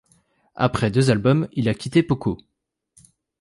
Après deux albums, il a quitté Poco.